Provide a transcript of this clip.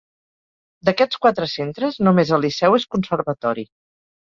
D'aquests quatre centres només el Liceu és conservatori.